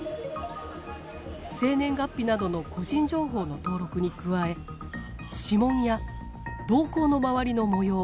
生年月日などの個人情報の登録に加え指紋や瞳孔の周りの模様